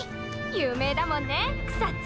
有名だもんね草津。